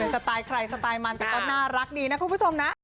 สไตล์ใครสไตล์มันแต่ก็น่ารักดีนะคุณผู้ชมนะ